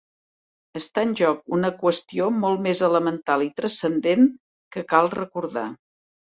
Està en joc una qüestió molt més elemental i transcendent que cal recordar.